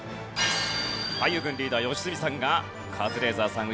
俳優軍リーダー良純さんがカズレーザーさん